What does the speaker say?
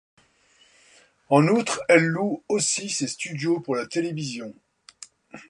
En outre, elle loue aussi ses studios pour la télévision.